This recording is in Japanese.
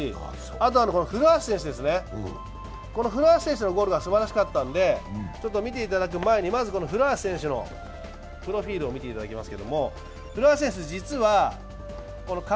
あと古橋選手のゴールがすばらしかったんで見ていただく前に古橋選手のプロフィールを見ていただきます。